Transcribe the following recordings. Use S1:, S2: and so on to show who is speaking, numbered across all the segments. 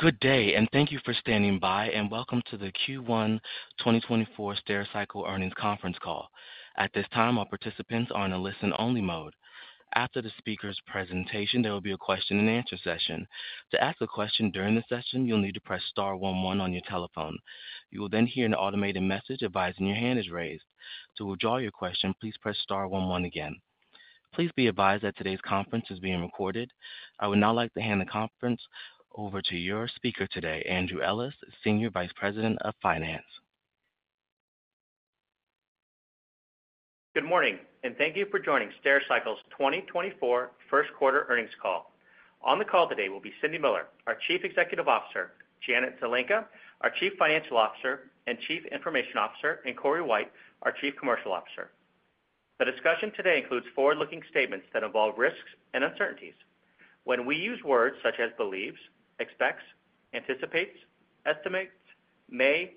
S1: Good day, and thank you for standing by, and welcome to the Q1 2024 Stericycle Earnings Conference Call. At this time, our participants are in a listen-only mode. After the speaker's presentation, there will be a question-and-answer session. To ask a question during the session, you'll need to press star 11 on your telephone. You will then hear an automated message advising your hand is raised. To withdraw your question, please press star 11 again. Please be advised that today's conference is being recorded. I would now like to hand the conference over to your speaker today, Andrew Ellis, Senior Vice President of Finance.
S2: Good morning, and thank you for joining Stericycle's 2024 First Quarter Earnings Call. On the call today will be Cindy Miller, our Chief Executive Officer; Janet Zelenka, our Chief Financial Officer and Chief Information Officer; and Corey White, our Chief Commercial Officer. The discussion today includes forward-looking statements that involve risks and uncertainties. When we use words such as believes, expects, anticipates, estimates, may,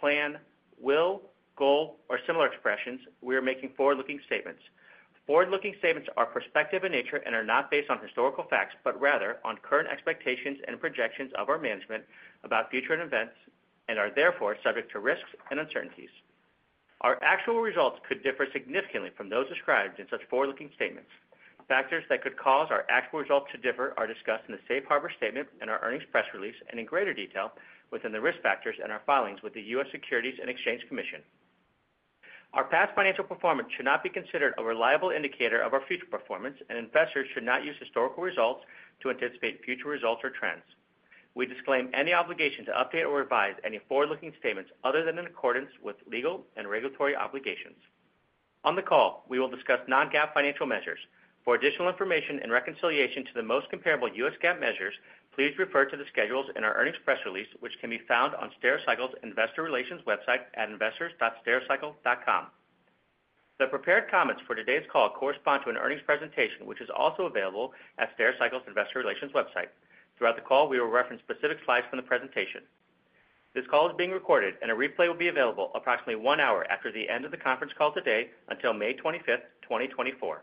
S2: plan, will, goal, or similar expressions, we are making forward-looking statements. Forward-looking statements are prospective in nature and are not based on historical facts, but rather on current expectations and projections of our management about future events, and are therefore subject to risks and uncertainties. Our actual results could differ significantly from those described in such forward-looking statements. Factors that could cause our actual results to differ are discussed in the Safe Harbor Statement and our earnings press release, and in greater detail within the risk factors and our filings with the U.S. Securities and Exchange Commission. Our past financial performance should not be considered a reliable indicator of our future performance, and investors should not use historical results to anticipate future results or trends. We disclaim any obligation to update or revise any forward-looking statements other than in accordance with legal and regulatory obligations. On the call, we will discuss non-GAAP financial measures. For additional information and reconciliation to the most comparable U.S. GAAP measures, please refer to the schedules in our earnings press release, which can be found on Stericycle's Investor Relations website at investors.stericycle.com. The prepared comments for today's call correspond to an earnings presentation, which is also available at Stericycle's Investor Relations website. Throughout the call, we will reference specific slides from the presentation. This call is being recorded, and a replay will be available approximately one hour after the end of the conference call today until May 25, 2024.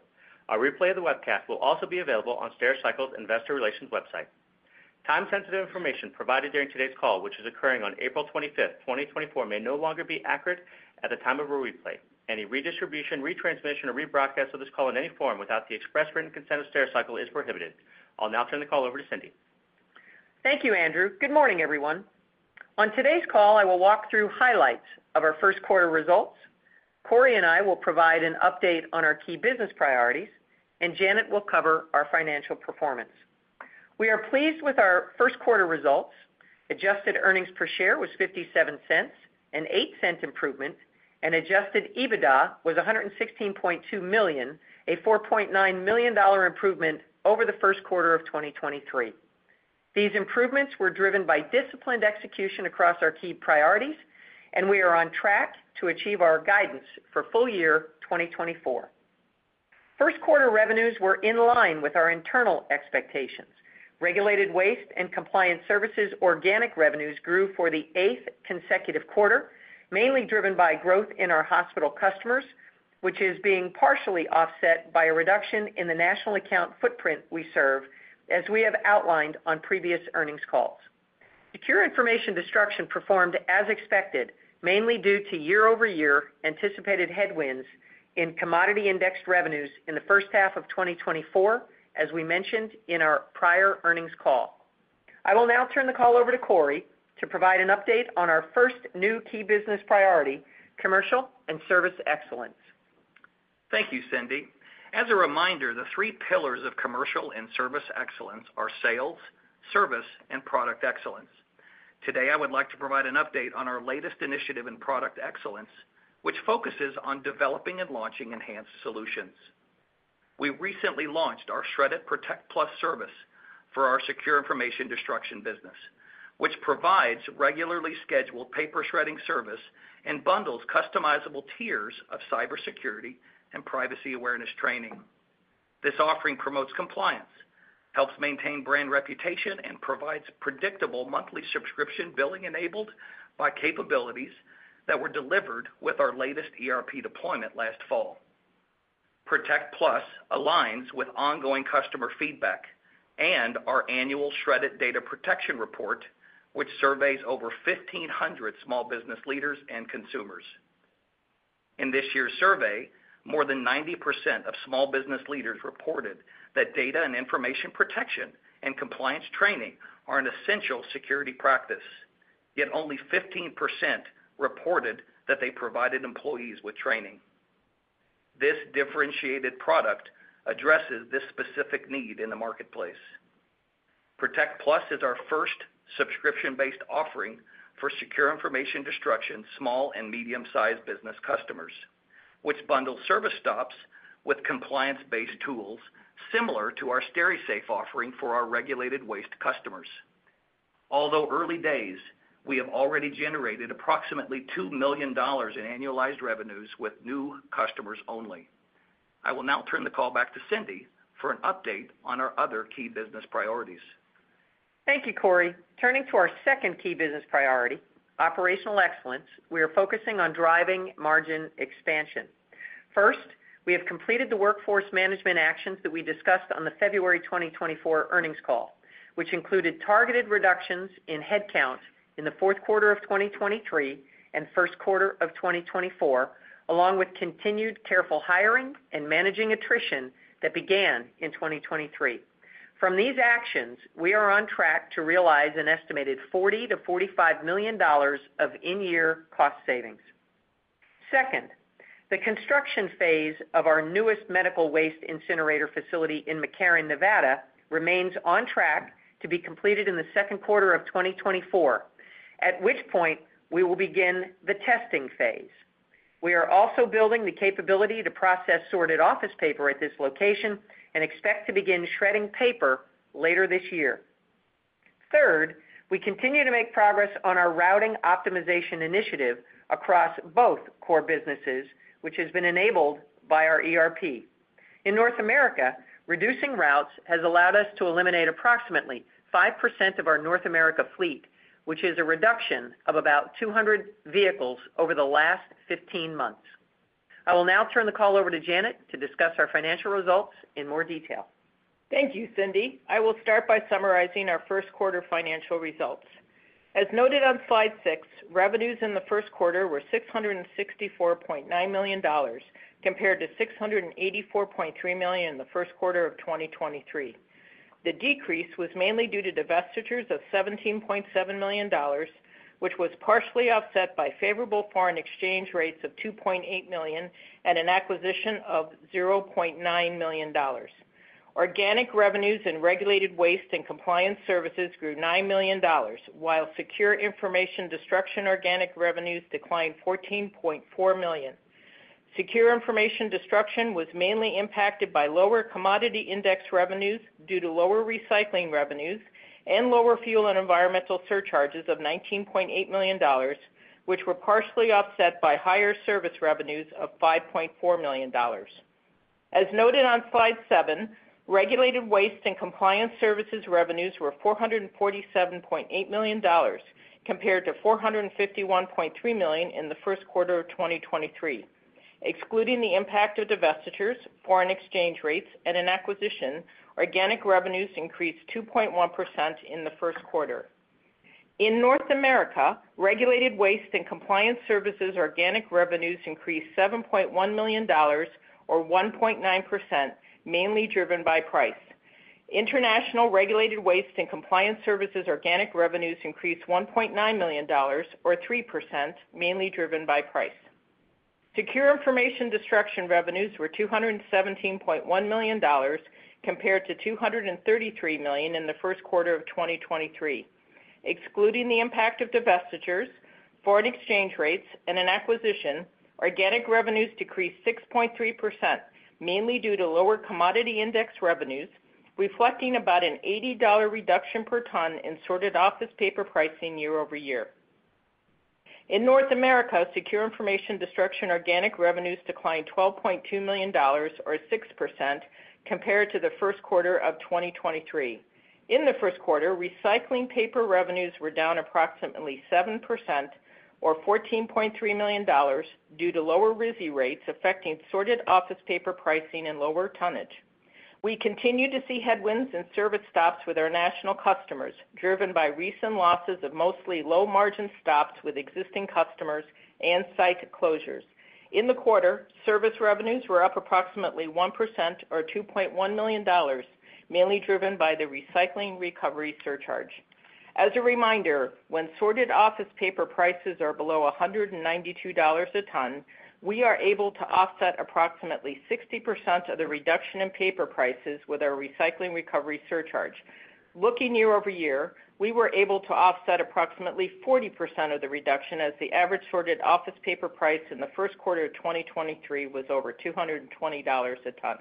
S2: A replay of the webcast will also be available on Stericycle's Investor Relations website. Time-sensitive information provided during today's call, which is occurring on April 25, 2024, may no longer be accurate at the time of a replay. Any redistribution, retransmission, or rebroadcast of this call in any form without the express written consent of Stericycle is prohibited. I'll now turn the call over to Cindy.
S3: Thank you, Andrew. Good morning, everyone. On today's call, I will walk through highlights of our first quarter results. Corey and I will provide an update on our key business priorities, and Janet will cover our financial performance. We are pleased with our first quarter results. Adjusted Earnings Per Share was $0.57, an $0.08 improvement, and Adjusted EBITDA was $116.2 million, a $4.9 million improvement over the first quarter of 2023. These improvements were driven by disciplined execution across our key priorities, and we are on track to achieve our guidance for full year 2024. First quarter revenues were in line with our internal expectations. Regulated Waste and Compliance Services organic revenues grew for the eighth consecutive quarter, mainly driven by growth in our hospital customers, which is being partially offset by a reduction in the national account footprint we serve, as we have outlined on previous earnings calls. Secure Information Destruction performed as expected, mainly due to year-over-year anticipated headwinds in commodity indexed revenues in the first half of 2024, as we mentioned in our prior earnings call. I will now turn the call over to Corey to provide an update on our first new key business priority, commercial and service excellence.
S4: Thank you, Cindy. As a reminder, the three pillars of commercial and service excellence are sales, service, and product excellence. Today, I would like to provide an update on our latest initiative in product excellence, which focuses on developing and launching enhanced solutions. We recently launched our Shred-it ProtectPLUS service for our Secure Information Destruction business, which provides regularly scheduled paper shredding service and bundles customizable tiers of cybersecurity and privacy awareness training. This offering promotes compliance, helps maintain brand reputation, and provides predictable monthly subscription billing enabled by capabilities that were delivered with our latest ERP deployment last fall. ProtectPLUS aligns with ongoing customer feedback and our annual Shred-it Data Protection Report, which surveys over 1,500 small business leaders and consumers. In this year's survey, more than 90% of small business leaders reported that data and information protection and compliance training are an essential security practice, yet only 15% reported that they provided employees with training. This differentiated product addresses this specific need in the marketplace. Protect Plus is our first subscription-based offering for secure information destruction small and medium-sized business customers, which bundles service stops with compliance-based tools similar to our Steri-Safe offering for our regulated waste customers. Although early days, we have already generated approximately $2 million in annualized revenues with new customers only. I will now turn the call back to Cindy for an update on our other key business priorities.
S3: Thank you, Corey. Turning to our second key business priority, operational excellence, we are focusing on driving margin expansion. First, we have completed the workforce management actions that we discussed on the February 2024 earnings call, which included targeted reductions in headcount in the fourth quarter of 2023 and first quarter of 2024, along with continued careful hiring and managing attrition that began in 2023. From these actions, we are on track to realize an estimated $40 to $45 million of in-year cost savings. Second, the construction phase of our newest medical waste incinerator facility in McCarran, Nevada, remains on track to be completed in the second quarter of 2024, at which point we will begin the testing phase. We are also building the capability to process sorted office paper at this location and expect to begin shredding paper later this year. Third, we continue to make progress on our routing optimization initiative across both core businesses, which has been enabled by our ERP. In North America, reducing routes has allowed us to eliminate approximately 5% of our North America fleet, which is a reduction of about 200 vehicles over the last 15 months. I will now turn the call over to Janet to discuss our financial results in more detail.
S5: Thank you, Cindy. I will start by summarizing our first quarter financial results. As noted on slide six, revenues in the first quarter were $664.9 million compared to $684.3 million in the first quarter of 2023. The decrease was mainly due to divestitures of $17.7 million, which was partially offset by favorable foreign exchange rates of $2.8 million and an acquisition of $0.9 million. Organic revenues in regulated waste and compliance services grew $9 million, while secure information destruction organic revenues declined $14.4 million. Secure information destruction was mainly impacted by lower commodity index revenues due to lower recycling revenues and lower fuel and environmental surcharges of $19.8 million, which were partially offset by higher service revenues of $5.4 million. As noted on slide seven, regulated waste and compliance services revenues were $447.8 million compared to $451.3 million in the first quarter of 2023. Excluding the impact of divestitures, foreign exchange rates, and an acquisition, organic revenues increased 2.1% in the first quarter. In North America, regulated waste and compliance services organic revenues increased $7.1 million, or 1.9%, mainly driven by price. International regulated waste and compliance services organic revenues increased $1.9 million, or 3%, mainly driven by price. Secure information destruction revenues were $217.1 million compared to $233 million in the first quarter of 2023. Excluding the impact of divestitures, foreign exchange rates, and an acquisition, organic revenues decreased 6.3%, mainly due to lower commodity index revenues, reflecting about an $80 reduction per ton in sorted office paper pricing year-over-year. In North America, secure information destruction organic revenues declined $12.2 million, or 6%, compared to the first quarter of 2023. In the first quarter, recycling paper revenues were down approximately 7%, or $14.3 million, due to lower RISI rates affecting sorted office paper pricing and lower tonnage. We continue to see headwinds in service stops with our national customers, driven by recent losses of mostly low-margin stops with existing customers and site closures. In the quarter, service revenues were up approximately 1%, or $2.1 million, mainly driven by the recycling recovery surcharge. As a reminder, when sorted office paper prices are below $192 a ton, we are able to offset approximately 60% of the reduction in paper prices with our recycling recovery surcharge. Looking year-over-year, we were able to offset approximately 40% of the reduction as the average sorted office paper price in the first quarter of 2023 was over $220 a ton.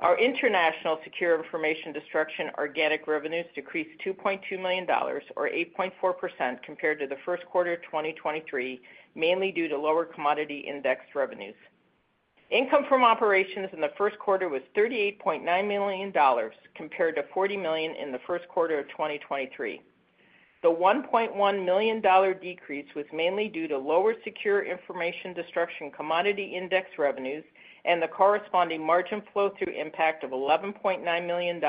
S5: Our international secure information destruction organic revenues decreased $2.2 million, or 8.4%, compared to the first quarter of 2023, mainly due to lower commodity index revenues. Income from operations in the first quarter was $38.9 million compared to $40 million in the first quarter of 2023. The $1.1 million decrease was mainly due to lower secure information destruction commodity index revenues and the corresponding margin flow-through impact of $11.9 million,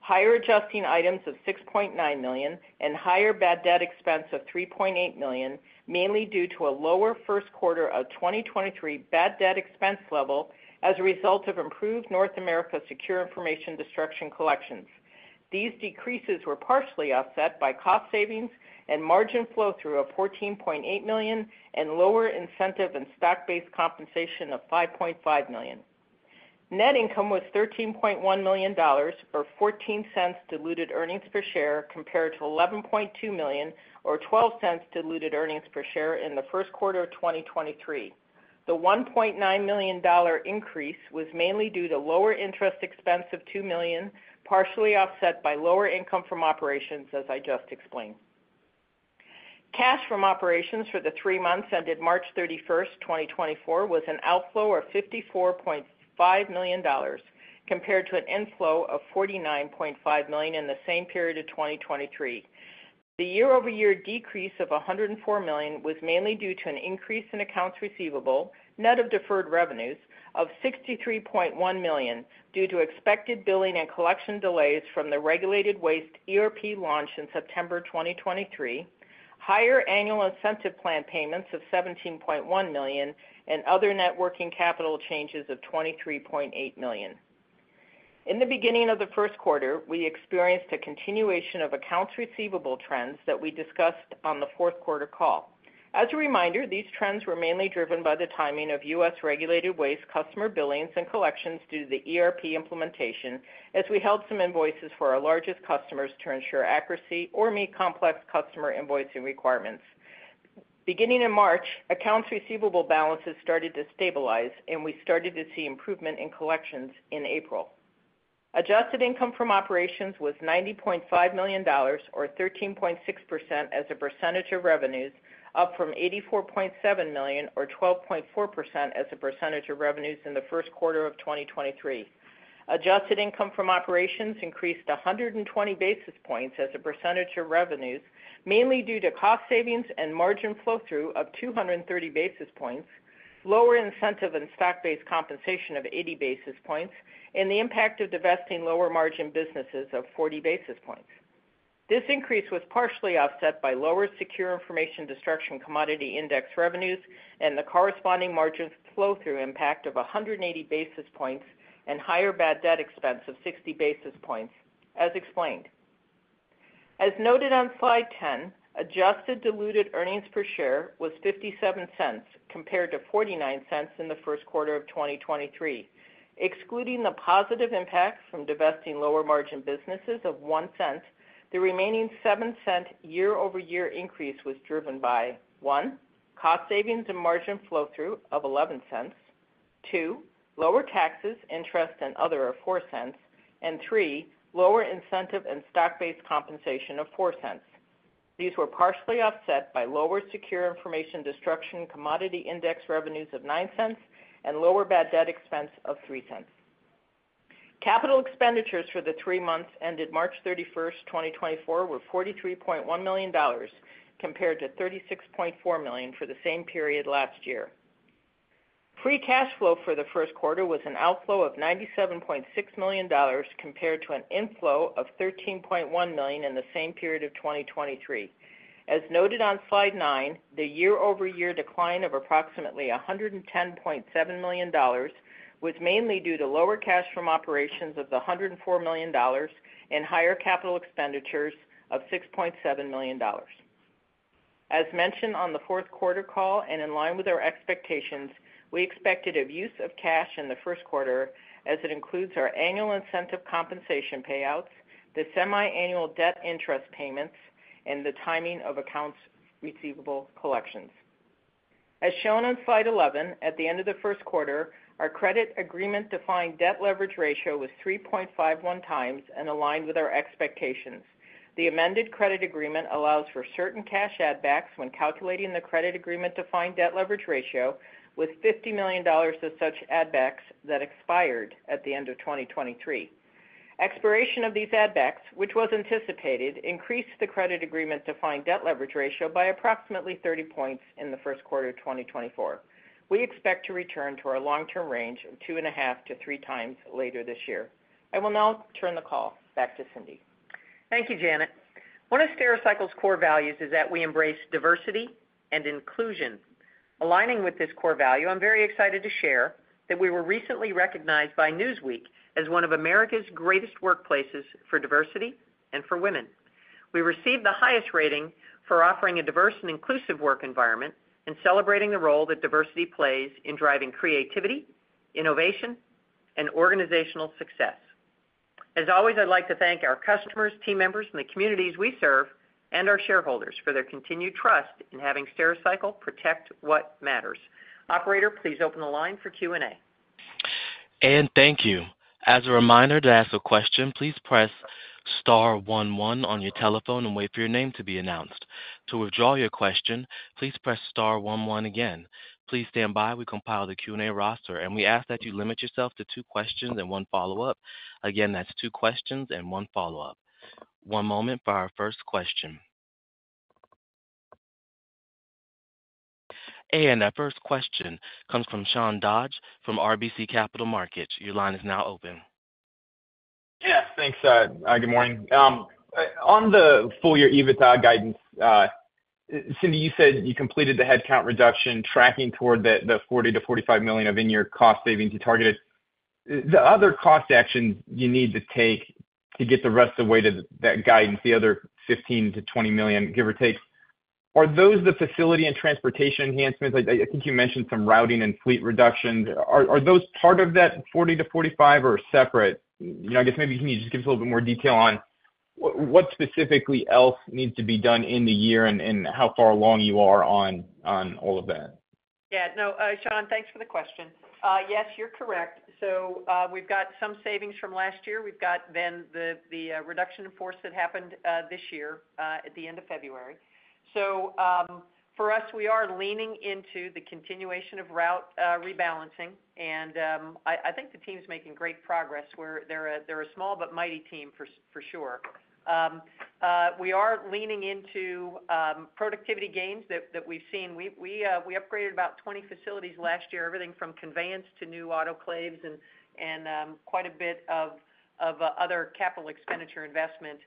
S5: higher adjusting items of $6.9 million, and higher bad debt expense of $3.8 million, mainly due to a lower first quarter of 2023 bad debt expense level as a result of improved North America secure information destruction collections. These decreases were partially offset by cost savings and margin flow-through of $14.8 million and lower incentive and stock-based compensation of $5.5 million. Net income was $13.1 million, or $0.14 diluted earnings per share, compared to $11.2 million, or $0.12 diluted earnings per share in the first quarter of 2023. The $1.9 million increase was mainly due to lower interest expense of $2 million, partially offset by lower income from operations, as I just explained. Cash from operations for the three months ended March 31, 2024, was an outflow of $54.5 million compared to an inflow of $49.5 million in the same period of 2023. The year-over-year decrease of $104 million was mainly due to an increase in accounts receivable, net of deferred revenues, of $63.1 million due to expected billing and collection delays from the regulated waste ERP launch in September 2023, higher annual incentive plan payments of $17.1 million, and other net working capital changes of $23.8 million. In the beginning of the first quarter, we experienced a continuation of accounts receivable trends that we discussed on the fourth quarter call. As a reminder, these trends were mainly driven by the timing of U.S. regulated waste customer billings and collections due to the ERP implementation as we held some invoices for our largest customers to ensure accuracy or meet complex customer invoicing requirements. Beginning in March, accounts receivable balances started to stabilize, and we started to see improvement in collections in April. Adjusted income from operations was $90.5 million, or 13.6% as a percentage of revenues, up from $84.7 million, or 12.4% as a percentage of revenues in the first quarter of 2023. Adjusted income from operations increased 120 basis points as a percentage of revenues, mainly due to cost savings and margin flow-through of 230 basis points, lower incentive and stock-based compensation of 80 basis points, and the impact of divesting lower-margin businesses of 40 basis points. This increase was partially offset by lower secure information destruction commodity index revenues and the corresponding margin flow-through impact of 180 basis points and higher bad debt expense of 60 basis points, as explained. As noted on slide 10, adjusted diluted earnings per share was $0.57 compared to $0.49 in the first quarter of 2023. Excluding the positive impact from divesting lower-margin businesses of $0.01, the remaining $0.07 year-over-year increase was driven by: one, cost savings and margin flow-through of $0.11; two, lower taxes, interest, and other of $0.04; and three, lower incentive and stock-based compensation of $0.04. These were partially offset by lower Secure Information Destruction commodity index revenues of $0.09 and lower bad debt expense of $0.03. Capital expenditures for the three months ended March 31, 2024, were $43.1 million compared to $36.4 million for the same period last year. Free Cash Flow for the first quarter was an outflow of $97.6 million compared to an inflow of $13.1 million in the same period of 2023. As noted on slide nine, the year-over-year decline of approximately $110.7 million was mainly due to lower cash from operations of the $104 million and higher capital expenditures of $6.7 million. As mentioned on the fourth quarter call and in line with our expectations, we expected a use of cash in the first quarter as it includes our annual incentive compensation payouts, the semi-annual debt interest payments, and the timing of accounts receivable collections. As shown on slide 11, at the end of the first quarter, our credit agreement-defined debt leverage ratio was 3.51 times and aligned with our expectations. The amended credit agreement allows for certain cash add-backs when calculating the credit agreement-defined debt leverage ratio, with $50 million of such add-backs that expired at the end of 2023. Expiration of these add-backs, which was anticipated, increased the credit agreement-defined debt leverage ratio by approximately 30 points in the first quarter of 2024. We expect to return to our long-term range of 2.5-3 times later this year. I will now turn the call back to Cindy.
S3: Thank you, Janet. One of Stericycle's core values is that we embrace diversity and inclusion. Aligning with this core value, I'm very excited to share that we were recently recognized by Newsweek as one of America's Greatest Workplaces for diversity and for women. We received the highest rating for offering a diverse and inclusive work environment and celebrating the role that diversity plays in driving creativity, innovation, and organizational success. As always, I'd like to thank our customers, team members, and the communities we serve, and our shareholders for their continued trust in having Stericycle protect what matters. Operator, please open the line for Q&A.
S1: And thank you. As a reminder, to ask a question, please press star 11 on your telephone and wait for your name to be announced. To withdraw your question, please press star 11 again. Please stand by. We compile the Q&A roster, and we ask that you limit yourself to two questions and one follow-up. Again, that's two questions and one follow-up. One moment for our first question. And our first question comes from Sean Dodge from RBC Capital Markets. Your line is now open.
S6: Yeah. Thanks. Good morning. On the full-year EBITDA guidance, Cindy, you said you completed the headcount reduction tracking toward the $40 million-$45 million of in-year cost savings you targeted. The other cost actions you need to take to get the rest of the way to that guidance, the other $15 million-$20 million, give or take, are those the facility and transportation enhancements? I think you mentioned some routing and fleet reductions. Are those part of that $40 million-$45 million, or separate? I guess maybe can you just give us a little bit more detail on what specifically else needs to be done in the year and how far along you are on all of that?
S3: Yeah. No, Sean, thanks for the question. Yes, you're correct. So we've got some savings from last year. We've got then the reduction in force that happened this year at the end of February. So for us, we are leaning into the continuation of route rebalancing, and I think the team's making great progress. They're a small but mighty team, for sure. We are leaning into productivity gains that we've seen. We upgraded about 20 facilities last year, everything from conveyance to new autoclaves and quite a bit of other capital expenditure investment.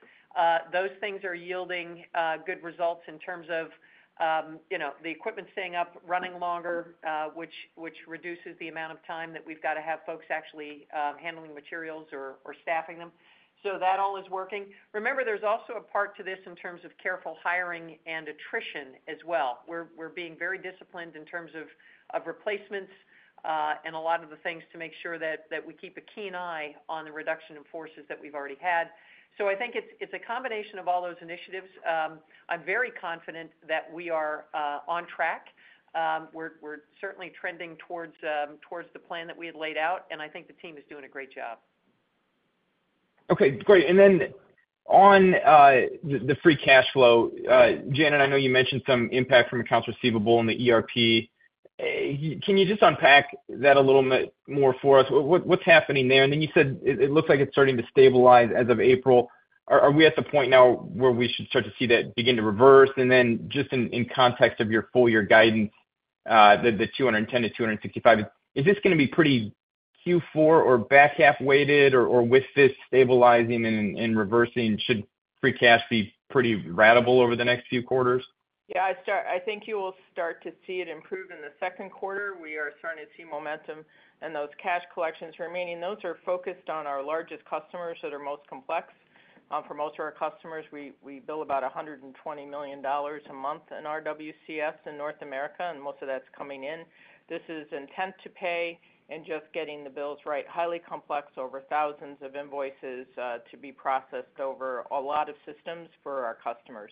S3: Those things are yielding good results in terms of the equipment staying up, running longer, which reduces the amount of time that we've got to have folks actually handling materials or staffing them. So that all is working. Remember, there's also a part to this in terms of careful hiring and attrition as well. We're being very disciplined in terms of replacements and a lot of the things to make sure that we keep a keen eye on the reduction in forces that we've already had. So I think it's a combination of all those initiatives. I'm very confident that we are on track. We're certainly trending towards the plan that we had laid out, and I think the team is doing a great job.
S6: Okay. Great. Then on the free cash flow, Janet, I know you mentioned some impact from accounts receivable and the ERP. Can you just unpack that a little bit more for us? What's happening there? And then you said it looks like it's starting to stabilize as of April. Are we at the point now where we should start to see that begin to reverse? And then just in context of your full-year guidance, the $210-$265 million, is this going to be pretty Q4 or back-half weighted, or with this stabilizing and reversing, should free cash be pretty ratable over the next few quarters?
S5: Yeah. I think you will start to see it improve in the second quarter. We are starting to see momentum in those cash collections remaining. Those are focused on our largest customers that are most complex. For most of our customers, we bill about $120 million a month in RWCS in North America, and most of that's coming in. This is intent to pay and just getting the bills right. Highly complex, over thousands of invoices to be processed over a lot of systems for our customers.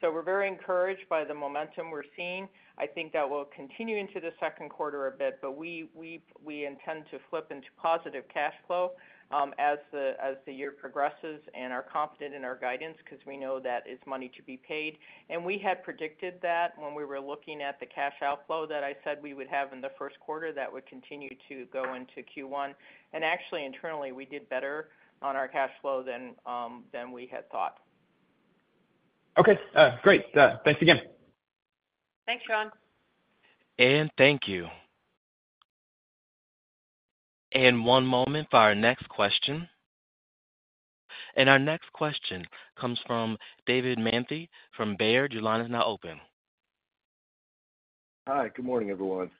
S5: So we're very encouraged by the momentum we're seeing. I think that will continue into the second quarter a bit, but we intend to flip into positive cash flow as the year progresses, and are confident in our guidance because we know that is money to be paid. We had predicted that when we were looking at the cash outflow that I said we would have in the first quarter that would continue to go into Q1. Actually, internally, we did better on our cash flow than we had thought.
S6: Okay. Great. Thanks again.
S3: Thanks, Sean.
S1: Thank you. One moment for our next question. Our next question comes from David Manthey from Baird. Your line is now open.
S7: Hi. Good morning, everyone.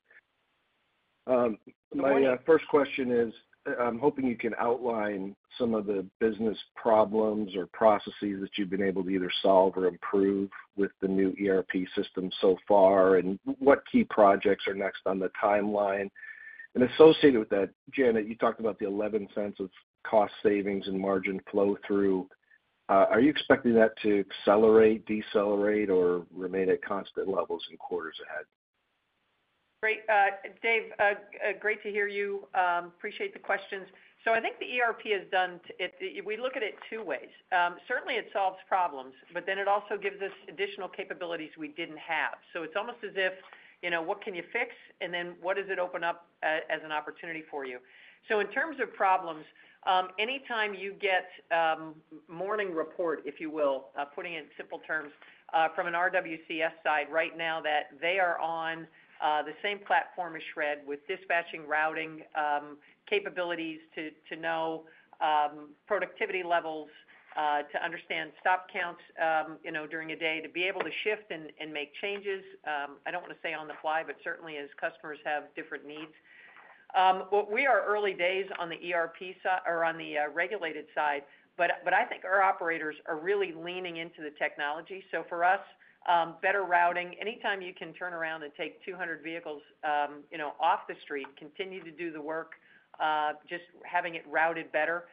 S7: My first question is, I'm hoping you can outline some of the business problems or processes that you've been able to either solve or improve with the new ERP system so far and what key projects are next on the timeline. And associated with that, Janet, you talked about the $0.11 of cost savings and margin flow-through. Are you expecting that to accelerate, decelerate, or remain at constant levels in quarters ahead?
S3: Great. Dave, great to hear you. Appreciate the questions. So I think the ERP is done. We look at it two ways. Certainly, it solves problems, but then it also gives us additional capabilities we didn't have. So it's almost as if, what can you fix, and then what does it open up as an opportunity for you? So in terms of problems, anytime you get morning report, if you will, putting it in simple terms, from an RWCS side right now that they are on the same platform as Shred with dispatching routing capabilities to know productivity levels, to understand stop counts during a day, to be able to shift and make changes. I don't want to say on the fly, but certainly as customers have different needs. We are early days on the ERP side or on the regulated side, but I think our operators are really leaning into the technology. So for us, better routing. Anytime you can turn around and take 200 vehicles off the street, continue to do the work, just having it routed better,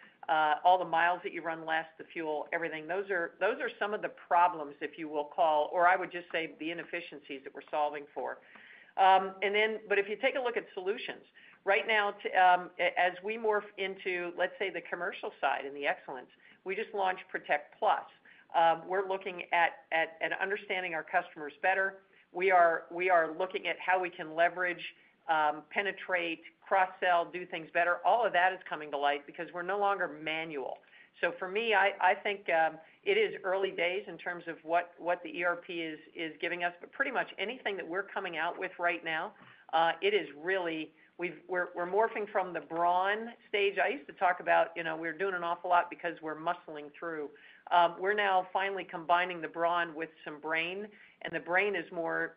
S3: all the miles that you run last, the fuel, everything, those are some of the problems, if you will call, or I would just say the inefficiencies that we're solving for. But if you take a look at solutions, right now, as we morph into, let's say, the commercial side and the excellence, we just launched ProtectPLUS. We're looking at understanding our customers better. We are looking at how we can leverage, penetrate, cross-sell, do things better. All of that is coming to light because we're no longer manual. So for me, I think it is early days in terms of what the ERP is giving us, but pretty much anything that we're coming out with right now, it is really we're morphing from the brawn stage. I used to talk about we're doing an awful lot because we're muscling through. We're now finally combining the brawn with some brain, and the brain is more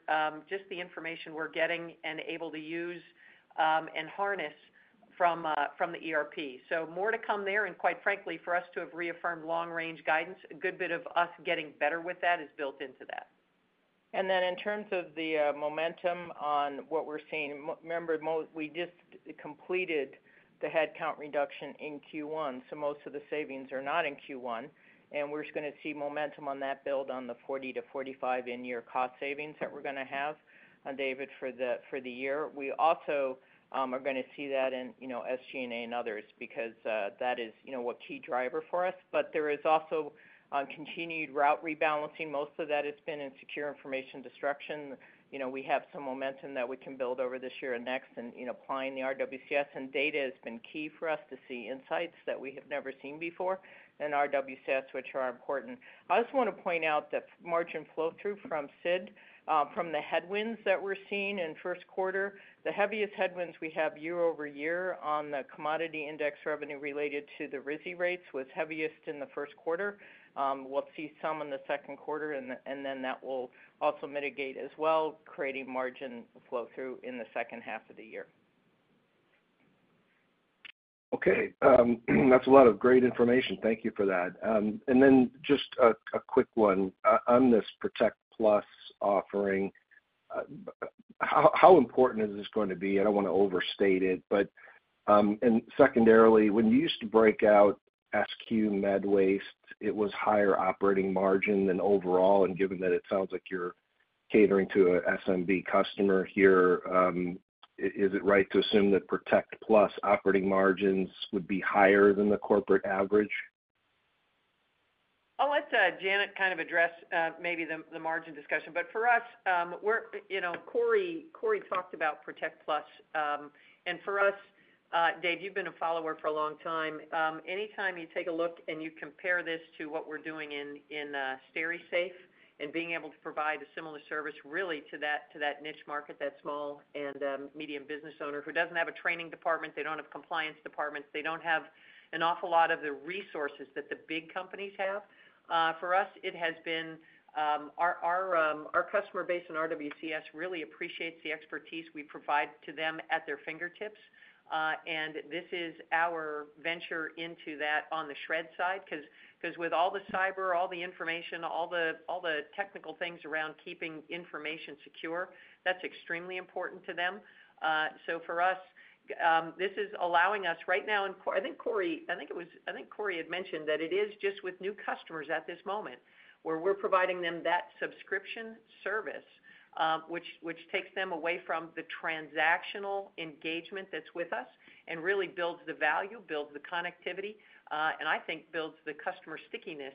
S3: just the information we're getting and able to use and harness from the ERP. So more to come there. And quite frankly, for us to have reaffirmed long-range guidance, a good bit of us getting better with that is built into that.
S5: Then in terms of the momentum on what we're seeing, remember, we just completed the headcount reduction in Q1, so most of the savings are not in Q1, and we're just going to see momentum on that build on the $40-$45 in-year cost savings that we're going to have, David, for the year. We also are going to see that in SG&A and others because that is the key driver for us. But there is also continued route rebalancing. Most of that has been in secure information destruction. We have some momentum that we can build over this year and next in applying the RWCS, and the data has been key for us to see insights that we have never seen before in RWCS, which are important. I just want to point out the margin flow-through from SID, from the headwinds that we're seeing in first quarter. The heaviest headwinds we have year-over-year on the commodity index revenue related to the RISI rates was heaviest in the first quarter. We'll see some in the second quarter, and then that will also mitigate as well, creating margin flow-through in the second half of the year.
S7: Okay. That's a lot of great information. Thank you for that. And then just a quick one on this Protect Plus offering. How important is this going to be? I don't want to overstate it. But secondarily, when you used to break out SQ Med waste, it was higher operating margin than overall. And given that it sounds like you're catering to an SMB customer here, is it right to assume that Protect Plus operating margins would be higher than the corporate average?
S3: Oh, let’s have Janet kind of address maybe the margin discussion. But for us, Corey talked about Protect Plus. And for us, Dave, you’ve been a follower for a long time. Anytime you take a look and you compare this to what we’re doing in Stericycle and being able to provide a similar service, really, to that niche market, that small and medium business owner who doesn’t have a training department, they don’t have compliance departments, they don’t have an awful lot of the resources that the big companies have, for us, it has been our customer base in RWCS really appreciates the expertise we provide to them at their fingertips. And this is our venture into that on the Shred side because with all the cyber, all the information, all the technical things around keeping information secure, that’s extremely important to them. So for us, this is allowing us right now, and I think Corey, I think Corey had mentioned that it is just with new customers at this moment where we're providing them that subscription service, which takes them away from the transactional engagement that's with us and really builds the value, builds the connectivity, and I think builds the customer stickiness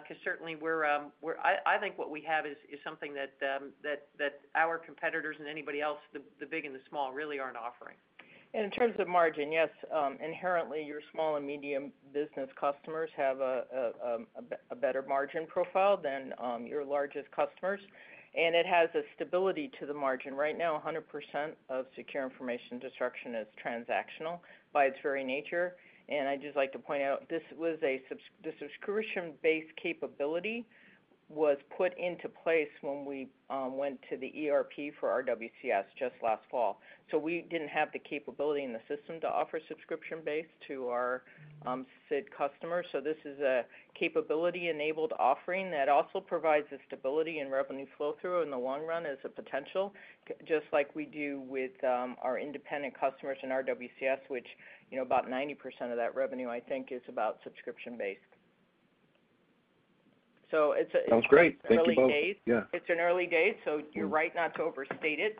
S3: because certainly, I think what we have is something that our competitors and anybody else, the big and the small, really aren't offering.
S5: In terms of margin, yes, inherently, your small and medium business customers have a better margin profile than your largest customers, and it has a stability to the margin. Right now, 100% of secure information destruction is transactional by its very nature. I'd just like to point out this was the subscription-based capability was put into place when we went to the ERP for RWCS just last fall. So we didn't have the capability in the system to offer subscription-based to our SID customers. So this is a capability-enabled offering that also provides the stability and revenue flow-through in the long run as a potential, just like we do with our independent customers in RWCS, which about 90% of that revenue, I think, is about subscription-based. So it's an early days.
S7: Sounds great. Thank you both. Yeah.
S5: It's an early days, so you're right not to overstate it.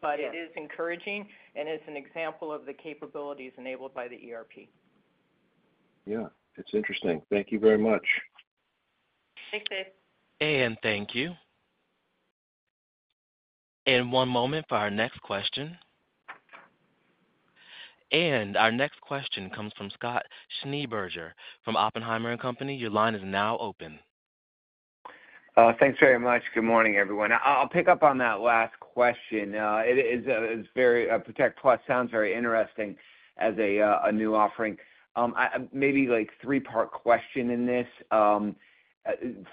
S5: But it is encouraging and is an example of the capabilities enabled by the ERP.
S7: Yeah. It's interesting. Thank you very much.
S3: Thanks, Dave.
S1: Thank you. One moment for our next question. Our next question comes from Scott Schneeberger from Oppenheimer & Co. Your line is now open.
S8: Thanks very much. Good morning, everyone. I'll pick up on that last question. Protect Plus sounds very interesting as a new offering. Maybe three-part question in this.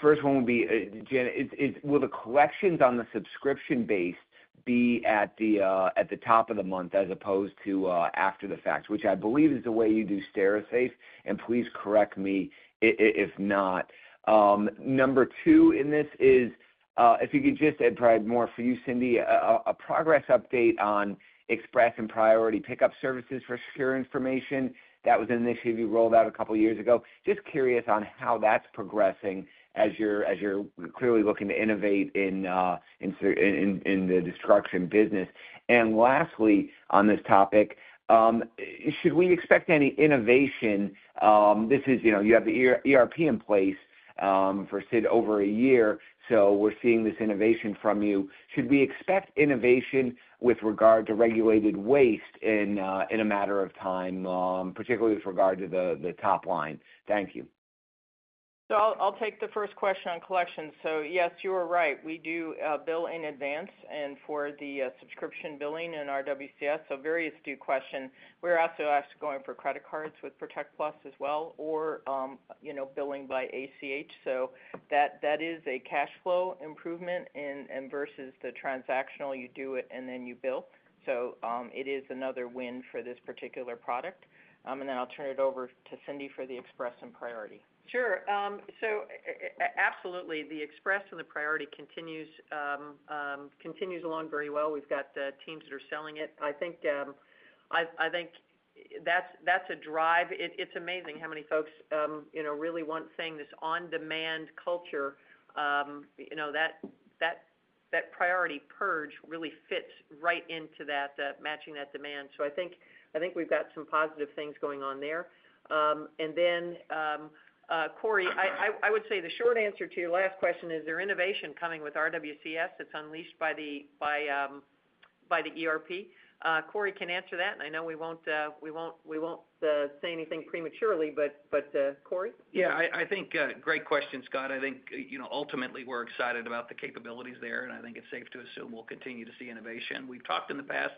S8: First one would be, Janet, will the collections on the subscription-based be at the top of the month as opposed to after the fact, which I believe is the way you do Stericycle? And please correct me if not. Number two in this is, if you could just add probably more for you, Cindy, a progress update on express and priority pickup services for secure information. That was an initiative you rolled out a couple of years ago. Just curious on how that's progressing as you're clearly looking to innovate in the destruction business. And lastly, on this topic, should we expect any innovation? You have the ERP in place for SID over a year, so we're seeing this innovation from you. Should we expect innovation with regard to regulated waste in a matter of time, particularly with regard to the top line? Thank you.
S5: I'll take the first question on collections. Yes, you are right. We do bill in advance and for the subscription billing in RWCS. Very astute question. We're also actually going for credit cards with Protect Plus as well or billing by ACH. That is a cash flow improvement versus the transactional. You do it, and then you bill. It is another win for this particular product. Then I'll turn it over to Cindy for the express and priority.
S3: Sure. So absolutely, the express and the priority continues along very well. We've got teams that are selling it. I think that's a drive. It's amazing how many folks really want this on-demand culture. That priority purge really fits right into that matching that demand. So I think we've got some positive things going on there. And then, Corey, I would say the short answer to your last question is, is there innovation coming with RWCS that's unleashed by the ERP? Corey can answer that, and I know we won't say anything prematurely, but Corey?
S4: Yeah. I think great question, Scott. I think ultimately, we're excited about the capabilities there, and I think it's safe to assume we'll continue to see innovation. We've talked in the past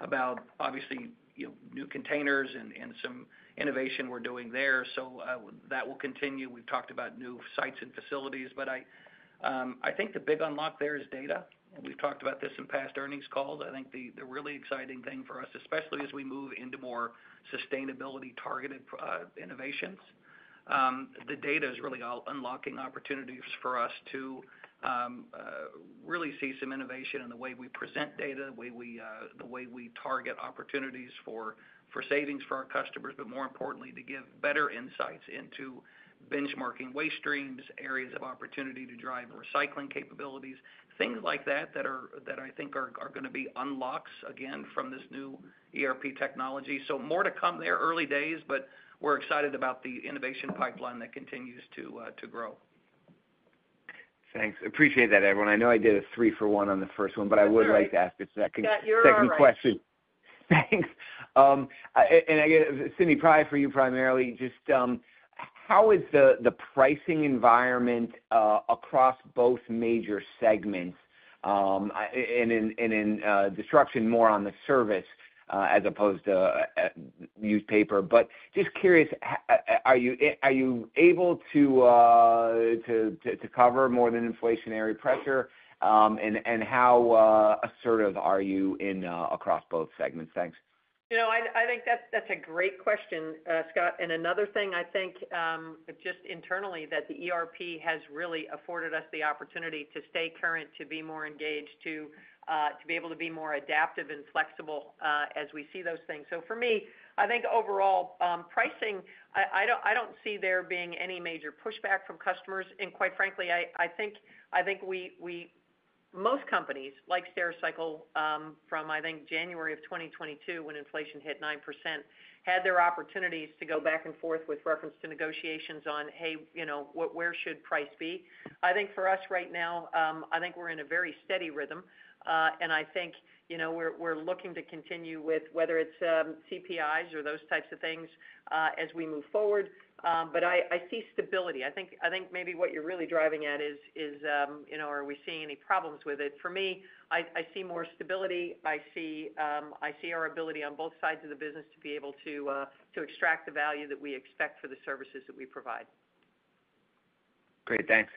S4: about, obviously, new containers and some innovation we're doing there, so that will continue. We've talked about new sites and facilities. But I think the big unlock there is data. And we've talked about this in past earnings calls. I think the really exciting thing for us, especially as we move into more sustainability-targeted innovations, the data is really unlocking opportunities for us to really see some innovation in the way we present data, the way we target opportunities for savings for our customers, but more importantly, to give better insights into benchmarking waste streams, areas of opportunity to drive recycling capabilities, things like that that I think are going to be unlocks, again, from this new ERP technology. More to come there, early days, but we're excited about the innovation pipeline that continues to grow.
S8: Thanks. Appreciate that, everyone. I know I did a three-for-one on the first one, but I would like to ask a second question.
S3: Yeah. You're all right.
S8: Second question. Thanks. Again, Cindy, prior for you primarily, just how is the pricing environment across both major segments and in destruction more on the service as opposed to newspaper? But just curious, are you able to cover more than inflationary pressure, and how assertive are you across both segments? Thanks.
S3: I think that's a great question, Scott. And another thing, I think just internally, that the ERP has really afforded us the opportunity to stay current, to be more engaged, to be able to be more adaptive and flexible as we see those things. So for me, I think overall, pricing, I don't see there being any major pushback from customers. And quite frankly, I think most companies like Stericycle from, I think, January of 2022, when inflation hit 9%, had their opportunities to go back and forth with reference to negotiations on, "Hey, where should price be?" I think for us right now, I think we're in a very steady rhythm, and I think we're looking to continue with whether it's CPIs or those types of things as we move forward. But I see stability. I think maybe what you're really driving at is, are we seeing any problems with it? For me, I see more stability. I see our ability on both sides of the business to be able to extract the value that we expect for the services that we provide.
S8: Great. Thanks.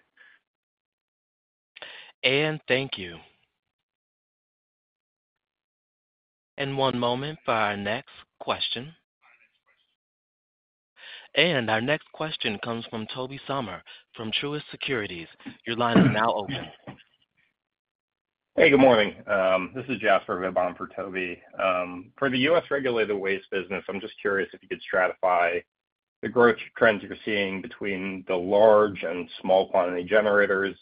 S1: Thank you. One moment for our next question. Our next question comes from Tobey Sommer from Truist Securities. Your line is now open.
S9: Hey. Good morning. This is Jasper Bibb for Tobey. For the U.S. regulated waste business, I'm just curious if you could stratify the growth trends you're seeing between the large and small quantity generators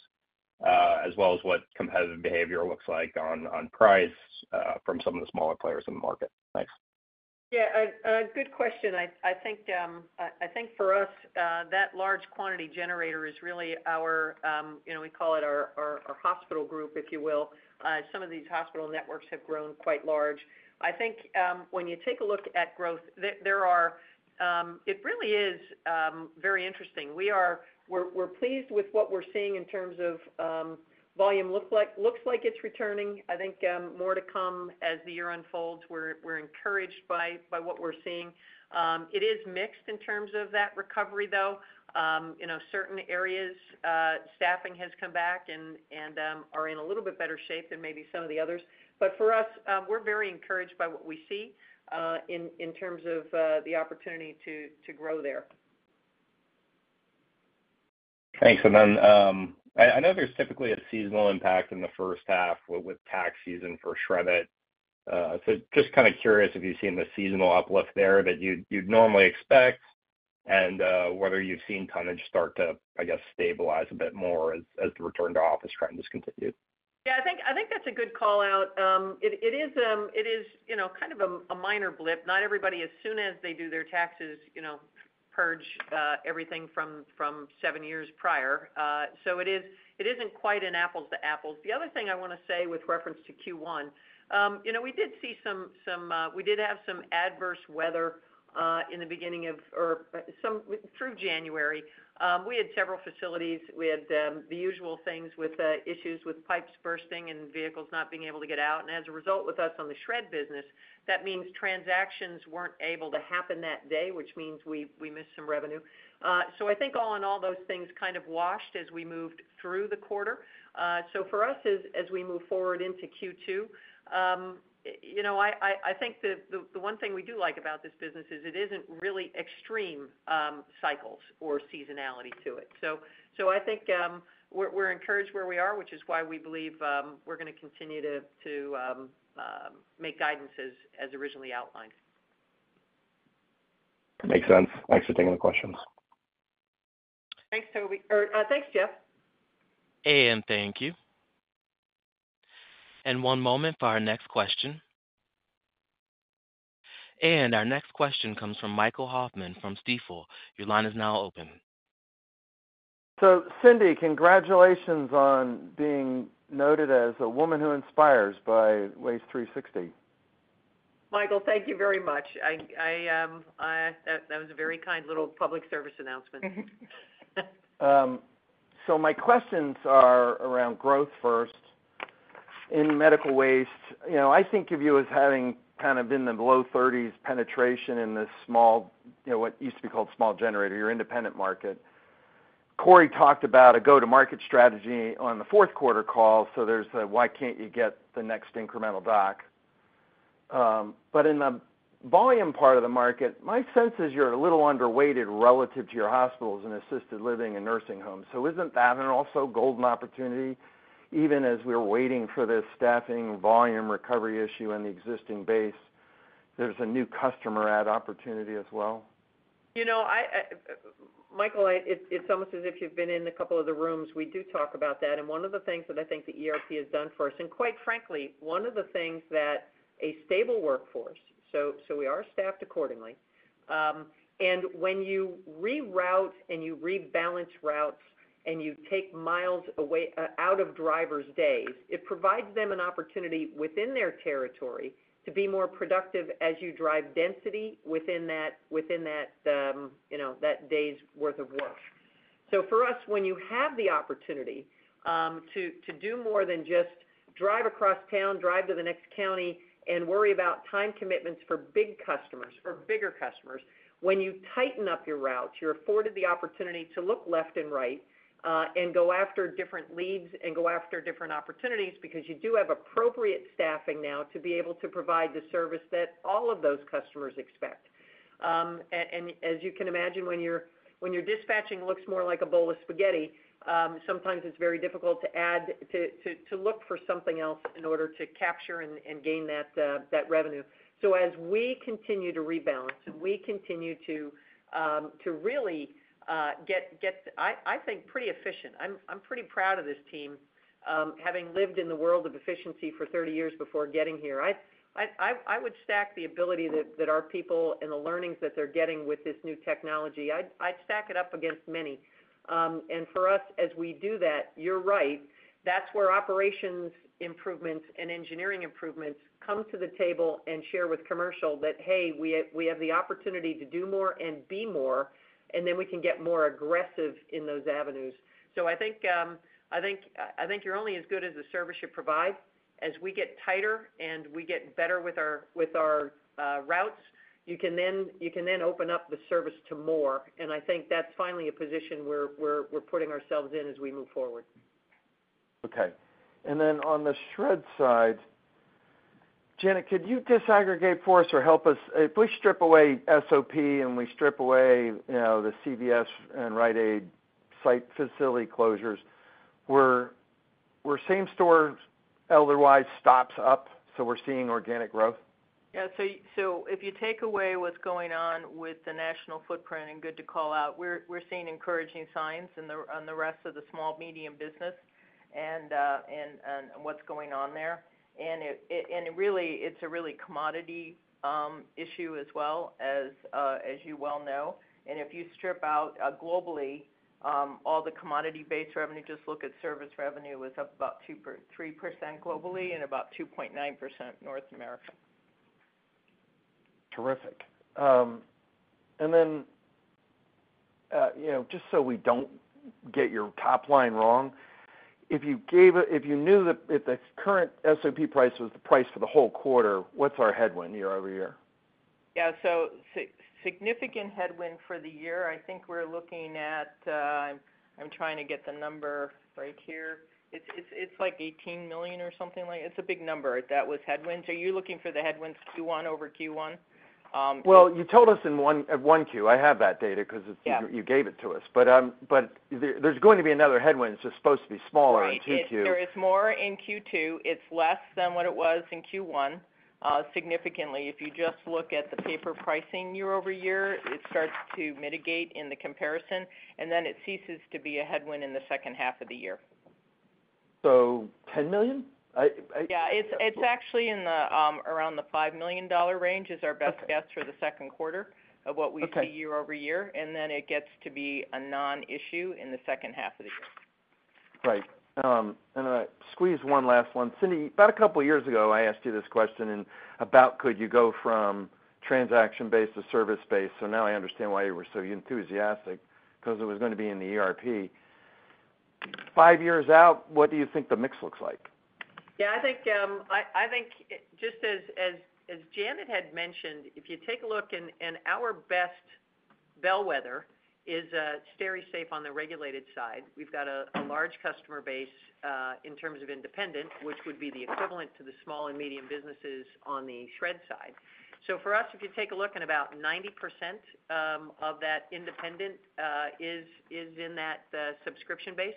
S9: as well as what competitive behavior looks like on price from some of the smaller players in the market. Thanks.
S3: Yeah. Good question. I think for us, that large quantity generator is really our—we call it our hospital group, if you will. Some of these hospital networks have grown quite large. I think when you take a look at growth, it really is very interesting. We're pleased with what we're seeing in terms of volume. Looks like it's returning. I think more to come as the year unfolds. We're encouraged by what we're seeing. It is mixed in terms of that recovery, though. Certain areas, staffing has come back and are in a little bit better shape than maybe some of the others. But for us, we're very encouraged by what we see in terms of the opportunity to grow there.
S9: Thanks. And then I know there's typically a seasonal impact in the first half with tax season for Shred-it. So just kind of curious if you've seen the seasonal uplift there that you'd normally expect and whether you've seen tonnage start to, I guess, stabilize a bit more as the return to office trend has continued?
S3: Yeah. I think that's a good callout. It is kind of a minor blip. Not everybody, as soon as they do their taxes, purge everything from seven years prior. So it isn't quite an apples-to-apples. The other thing I want to say with reference to Q1, we did have some adverse weather in the beginning of or through January. We had several facilities. We had the usual things with issues with pipes bursting and vehicles not being able to get out. And as a result, with us on the Shred business, that means transactions weren't able to happen that day, which means we missed some revenue. So I think all in all, those things kind of washed as we moved through the quarter. So for us, as we move forward into Q2, I think the one thing we do like about this business is it isn't really extreme cycles or seasonality to it. So I think we're encouraged where we are, which is why we believe we're going to continue to make guidance as originally outlined.
S9: Makes sense. Thanks for taking the questions.
S3: Thanks, Toby. Or thanks, Jeff.
S1: Thank you. One moment for our next question. Our next question comes from Michael Hoffman from Stifel. Your line is now open.
S10: Cindy, congratulations on being noted as a woman who inspires by Waste360.
S3: Michael, thank you very much. That was a very kind little public service announcement.
S10: So my questions are around growth first. In medical waste, I think of you as having kind of been the low 30s penetration in this small what used to be called small generator, your independent market. Corey talked about a go-to-market strategy on the fourth quarter call, so there's the, "Why can't you get the next incremental dock?" But in the volume part of the market, my sense is you're a little underweight relative to your hospitals and assisted living and nursing homes. So isn't that also golden opportunity, even as we're waiting for this staffing, volume, recovery issue in the existing base? There's a new customer add opportunity as well.
S3: Michael, it's almost as if you've been in a couple of the rooms. We do talk about that. One of the things that I think the ERP has done for us and quite frankly, one of the things that a stable workforce, so we are staffed accordingly. When you reroute and you rebalance routes and you take miles out of drivers' days, it provides them an opportunity within their territory to be more productive as you drive density within that day's worth of work. So for us, when you have the opportunity to do more than just drive across town, drive to the next county, and worry about time commitments for big customers, for bigger customers, when you tighten up your routes, you're afforded the opportunity to look left and right and go after different leads and go after different opportunities because you do have appropriate staffing now to be able to provide the service that all of those customers expect. And as you can imagine, when your dispatching looks more like a bowl of spaghetti, sometimes it's very difficult to look for something else in order to capture and gain that revenue. So as we continue to rebalance and we continue to really get, I think, pretty efficient, I'm pretty proud of this team having lived in the world of efficiency for 30 years before getting here. I would stack the ability that our people and the learnings that they're getting with this new technology. I'd stack it up against many. And for us, as we do that, you're right, that's where operations improvements and engineering improvements come to the table and share with commercial that, "Hey, we have the opportunity to do more and be more, and then we can get more aggressive in those avenues." So I think you're only as good as the service you provide. As we get tighter and we get better with our routes, you can then open up the service to more. And I think that's finally a position we're putting ourselves in as we move forward.
S10: Okay. And then on the Shred side, Janet, could you disaggregate for us or help us if we strip away SOP and we strip away the CVS and Rite Aid site facility closures, were same-store sales otherwise up, so we're seeing organic growth?
S3: Yeah. So if you take away what's going on with the national footprint and good to call out, we're seeing encouraging signs on the rest of the small, medium business and what's going on there. And really, it's a really commodity issue as well, as you well know. And if you strip out globally all the commodity-based revenue, just look at service revenue, it was up about 3% globally and about 2.9% North America.
S10: Terrific. And then just so we don't get your top line wrong, if you knew that the current SOP price was the price for the whole quarter, what's our headwind year-over-year?
S3: Yeah. So significant headwind for the year, I think we're looking at—I'm trying to get the number right here. It's like $18 million or something like it's a big number that was headwind. So you're looking for the headwinds Q1 over Q1?
S10: Well, you told us in Q1. I have that data because you gave it to us. But there's going to be another headwind. It's just supposed to be smaller in Q2.
S3: There is more in Q2. It's less than what it was in Q1 significantly. If you just look at the paper pricing year-over-year, it starts to mitigate in the comparison, and then it ceases to be a headwind in the second half of the year.
S10: $10 million?
S3: Yeah. It's actually around the $5 million range is our best guess for the second quarter of what we see year-over-year. Then it gets to be a non-issue in the second half of the year.
S10: Right. I squeeze one last one. Cindy, about a couple of years ago, I asked you this question about could you go from transaction-based to service-based. So now I understand why you were so enthusiastic because it was going to be in the ERP. Five years out, what do you think the mix looks like?
S3: Yeah. I think just as Janet had mentioned, if you take a look and our best bellwether is Stericycle on the regulated side. We've got a large customer base in terms of independent, which would be the equivalent to the small and medium businesses on the Shred side. So for us, if you take a look and about 90% of that independent is in that subscription base,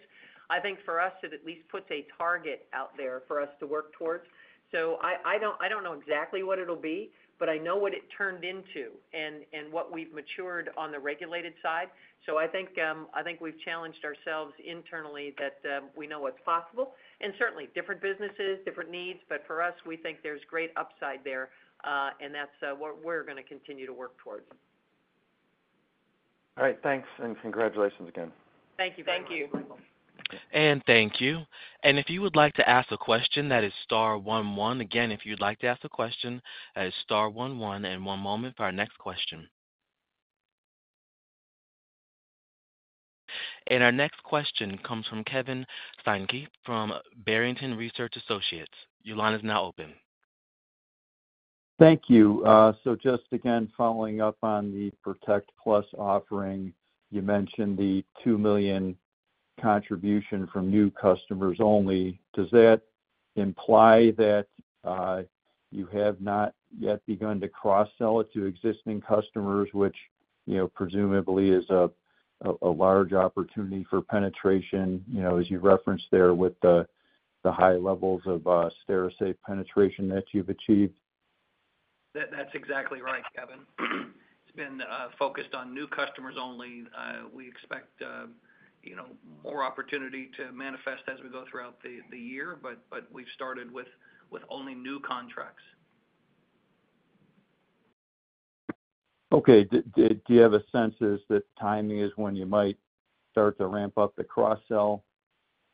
S3: I think for us, it at least puts a target out there for us to work towards. So I don't know exactly what it'll be, but I know what it turned into and what we've matured on the regulated side. So I think we've challenged ourselves internally that we know what's possible. And certainly, different businesses, different needs. But for us, we think there's great upside there, and that's what we're going to continue to work towards.
S10: All right. Thanks and congratulations again.
S3: Thank you, Michael.
S1: Thank you. And thank you. And if you would like to ask a question, that is star 11. Again, if you'd like to ask a question, that is star 11. And one moment for our next question. And our next question comes from Kevin Steinke from Barrington Research Associates. Your line is now open.
S11: Thank you. So just again, following up on the Protect Plus offering, you mentioned the $2 million contribution from new customers only. Does that imply that you have not yet begun to cross-sell it to existing customers, which presumably is a large opportunity for penetration, as you referenced there with the high levels of Stericycle penetration that you've achieved?
S4: That's exactly right, Kevin. It's been focused on new customers only. We expect more opportunity to manifest as we go throughout the year, but we've started with only new contracts.
S11: Okay. Do you have a sense that timing is when you might start to ramp up the cross-sell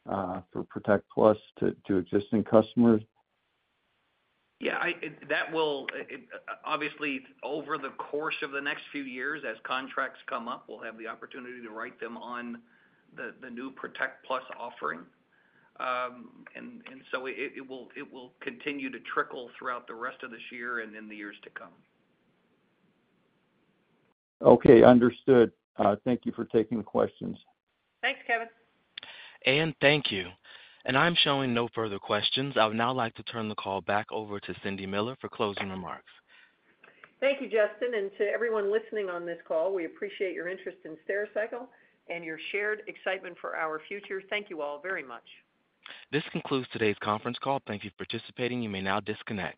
S11: for Protect Plus to existing customers?
S4: Yeah. Obviously, over the course of the next few years, as contracts come up, we'll have the opportunity to write them on the new Protect Plus offering. And so it will continue to trickle throughout the rest of this year and in the years to come.
S11: Okay. Understood. Thank you for taking the questions.
S3: Thanks, Kevin.
S1: Thank you. I'm showing no further questions. I would now like to turn the call back over to Cindy Miller for closing remarks.
S3: Thank you, Justin. To everyone listening on this call, we appreciate your interest in Stericycle and your shared excitement for our future. Thank you all very much.
S1: This concludes today's conference call. Thank you for participating. You may now disconnect.